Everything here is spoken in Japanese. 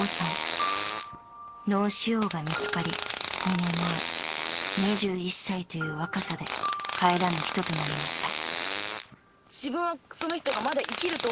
［脳腫瘍が見つかり２年前２１歳という若さで帰らぬ人となりました］